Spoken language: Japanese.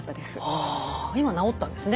ああ今治ったんですね。